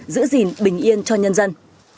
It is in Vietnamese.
giữ gìn bình yên cho nhân dân